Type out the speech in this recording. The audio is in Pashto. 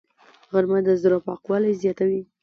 غرمه د زړه پاکوالی زیاتوي